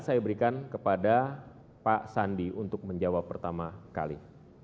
saya berikan kepada pak sandi untuk menjawab pertama kali